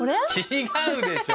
違うでしょ。